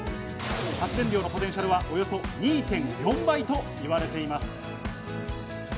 発電量のポテンシャルはおよそ２．４倍といわれています。